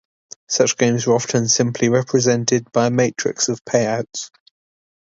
Such games are often simply represented by a matrix of payouts.